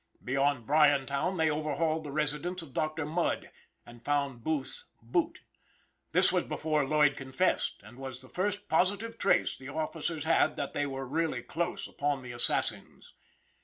Beyond Bryantown they overhauled the residence of Doctor Mudd and found Booth's boot. This was before Lloyd confessed, and was the first positive trace the officers had that they were really close upon the assassins.